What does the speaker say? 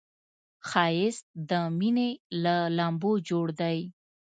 ښایست د مینې له لمبو جوړ دی